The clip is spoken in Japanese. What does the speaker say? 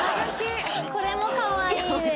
これもかわいいです。